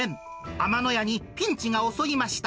天野屋にピンチが襲いました。